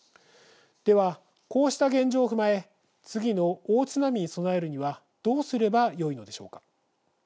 では、こうした現状を踏まえ次の大津波に備えるにはどうすればよいのでしょうか。